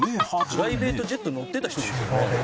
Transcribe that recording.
「プライベートジェットに乗ってた人ですよね？」